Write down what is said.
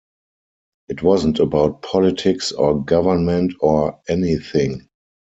It wasn't about politics or government or anything.